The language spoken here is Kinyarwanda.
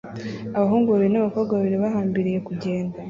Abahungu babiri n'abakobwa babiri bahambiriye kugenda